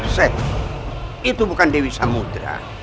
sek itu bukan dewi samudera